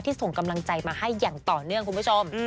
ส่งกำลังใจมาให้อย่างต่อเนื่องคุณผู้ชม